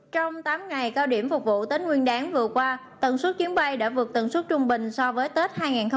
trong tám ngày cao điểm phục vụ tết nguyên đáng vừa qua tần suất chuyến bay đã vượt tần suất trung bình so với tết hai nghìn hai mươi ba